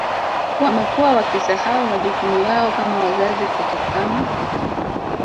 Wamekuwa wakisahau majukumu yao kama wazazi kutokana